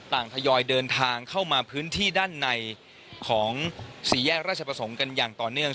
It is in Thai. ทยอยเดินทางเข้ามาพื้นที่ด้านในของสี่แยกราชประสงค์กันอย่างต่อเนื่อง